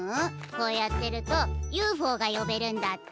こうやってるとＵＦＯがよべるんだって。